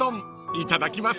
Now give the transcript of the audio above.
いただきます。